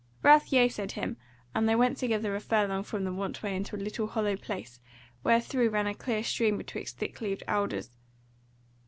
Ralph yeasaid him, and they went together a furlong from the want way into a little hollow place wherethrough ran a clear stream betwixt thick leaved alders.